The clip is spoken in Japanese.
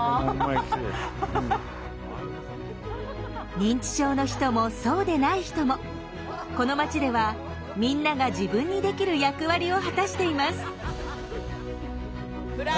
認知症の人もそうでない人もこの町ではみんなが自分にできる役割を果たしています。